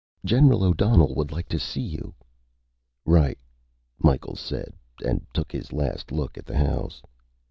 "General O'Donnell would like to see you." "Right," Micheals said, and took his last look at the house.